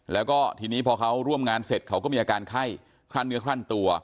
แล้วก็ทีนี้พอเขาร่วมงานเสร็จเขาก็มีอาการไข้คลั่นเนื้อคลั่นตัว